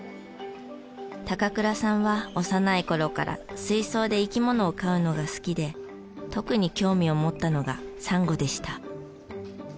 高倉さんは幼い頃から水槽で生き物を飼うのが好きで特に興味を持ったのがサンゴでした。